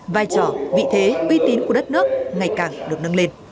vai trò vị thế uy tín của đất nước ngày càng được nâng lên